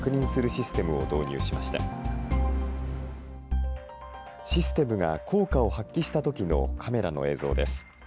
システムが効果を発揮したときのカメラの映像です。